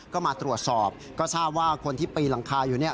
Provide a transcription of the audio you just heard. ก็มาตรวจสอบก็ทราบว่าคนที่ปีนหลังคาอยู่